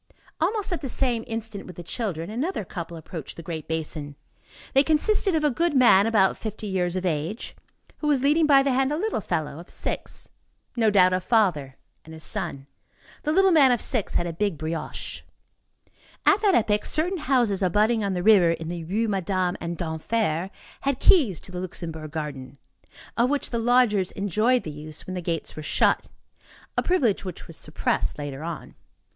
Almost at the same instant with the children, another couple approached the great basin. They consisted of a goodman, about fifty years of age, who was leading by the hand a little fellow of six. No doubt, a father and his son. The little man of six had a big brioche. At that epoch, certain houses abutting on the river, in the Rues Madame and d'Enfer, had keys to the Luxembourg garden, of which the lodgers enjoyed the use when the gates were shut, a privilege which was suppressed later on.